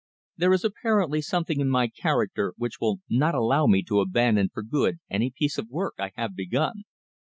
There is apparently something in my character which will not allow me to abandon for good any piece of work I have begun.